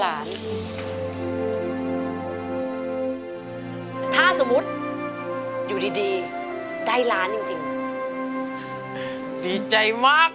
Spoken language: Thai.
รายการต่อไปนี้เป็นรายการทั่วไปสามารถรับชมได้ทุกวัย